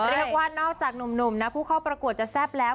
เรียกว่านอกจากหนุ่มนะผู้เข้าประกวดจะแซ่บแล้ว